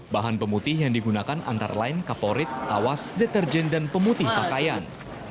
bahan pemutih yang digunakan antara lain kaporit tawas deterjen dan pemutih pakaian